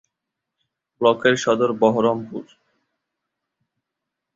ব্লকের সদর বহরমপুর।